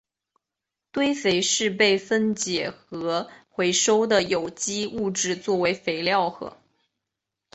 堆肥是被分解和回收的有机物质作为肥料和。